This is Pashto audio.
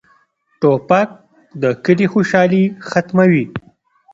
توپک د کلي خوشالي ختموي.